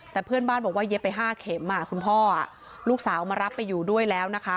แต่เพื่อนบ้านบอกว่าเย็บไป๕เข็มคุณพ่อลูกสาวมารับไปอยู่ด้วยแล้วนะคะ